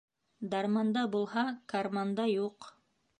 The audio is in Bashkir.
Дарманда булһа, карманда юҡ.